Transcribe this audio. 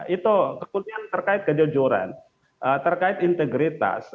itu kemudian terkait kejujuran terkait integritas